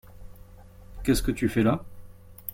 Qu’est-ce que tu fais là ?